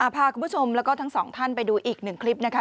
พาคุณผู้ชมแล้วก็ทั้งสองท่านไปดูอีกหนึ่งคลิปนะคะ